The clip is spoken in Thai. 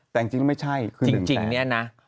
แต่จริงไม่ใช่คือ๑๐๐๐พลาด